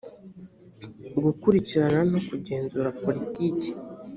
gukurikirana no kugenzura politiki